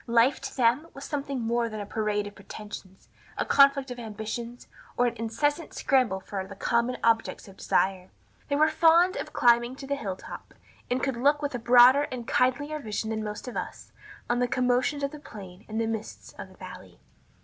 Life to them was something more than a parade of pretensions, a conflict of ambitions, or an incessant scramble for the common objects of desire. They were fond of climbing to the hill top, and could look with a broader and kindlier vision than most of us on the commotions of the plain and the mists of the valley.